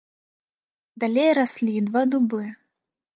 Далей раслі два дубы.